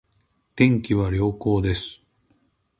天気は良好です